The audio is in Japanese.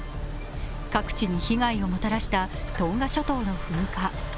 各地に被害をもたらしたトンガ諸島の噴火。